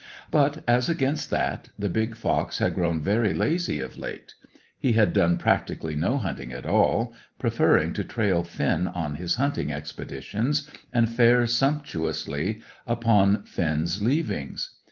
But, as against that, the big fox had grown very lazy of late. He had done practically no hunting at all, preferring to trail Finn on his hunting expeditions, and fare sumptuously upon Finn's leavings.